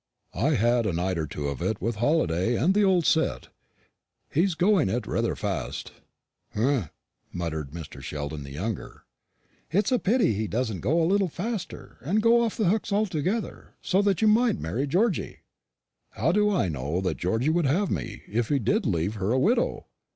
"I had a night or two of it with Halliday and the old set. He's going it rather fast." "Humph!" muttered Mr. Sheldon the younger; "it's a pity he doesn't go it a little faster, and go off the hooks altogether, so that you might marry Georgy." "How do I know that Georgy would have me, if he did leave her a widow?"